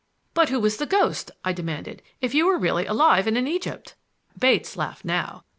"But who was the ghost?" I demanded, "if you were really alive and in Egypt?" Bates laughed now.